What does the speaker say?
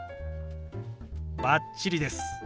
バッチリです。